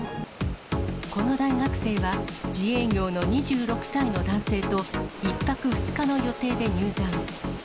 この大学生は自営業の２６歳の男性と１泊２日の予定で入山。